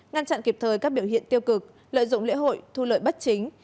ngăn chặn kịp thời các biểu hiện tiêu cực lợi dụng lễ hội thu lợi bất chính